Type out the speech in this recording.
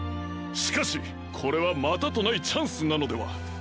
しかしこれはまたとないチャンスなのでは？